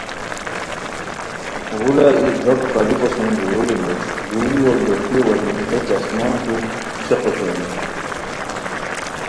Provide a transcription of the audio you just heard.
غُولہ ای لوٹ قالیپو سُم گوروڑی موش گوروڑیو لوٹیو وجہین غیچ آسمانتو چق اوشونی